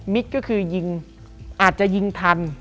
ก็คือยิงอาจจะยิงทัน